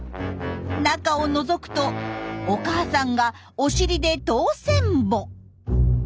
中をのぞくとお母さんがお尻で通せんぼ。